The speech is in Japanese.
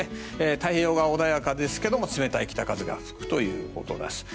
太平洋側は穏やかですが冷たい北風が吹くということです。